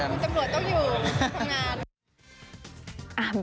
เมื่อก็เมื่อก็อยู่ที่ทำงาน